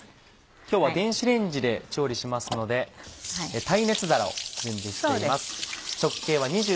今日は電子レンジで調理しますので耐熱皿を準備しています。